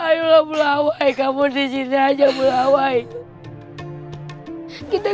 ayolah robert ayo disini aja bruway kita